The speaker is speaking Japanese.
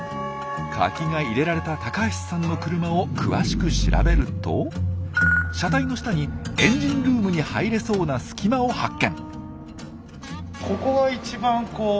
カキが入れられた高橋さんの車を詳しく調べると車体の下にエンジンルームに入れそうな隙間を発見。